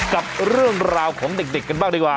กับเรื่องราวของเด็กกันบ้างดีกว่า